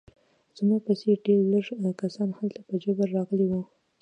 زما په څېر ډېر لږ کسان هلته په جبر راغلي وو